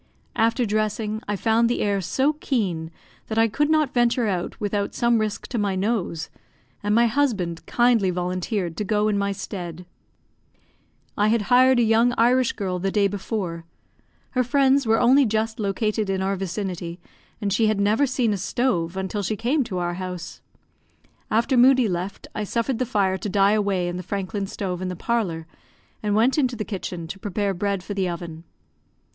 After dressing, I found the air so keen that I could not venture out without some risk to my nose, and my husband kindly volunteered to go in my stead. I had hired a young Irish girl the day before. Her friends were only just located in our vicinity, and she had never seen a stove until she came to our house. After Moodie left, I suffered the fire to die away in the Franklin stove in the parlour, and went into the kitchen to prepare bread for the oven.